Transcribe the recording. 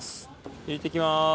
入れて行きます。